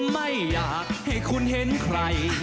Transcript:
ไม่อยากให้คุณเห็นใคร